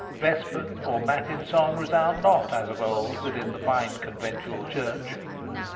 Vesper or matin song resound not as of old within the fine conventual church.